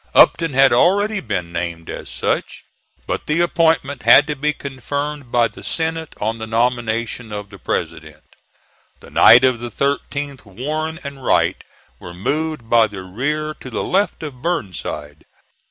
Upton had already been named as such, but the appointment had to be confirmed by the Senate on the nomination of the President. The night of the 13th Warren and Wright were moved by the rear to the left of Burnside.